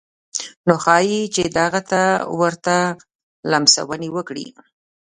نو ښايي چې دغه ته ورته لمسونې وکړي.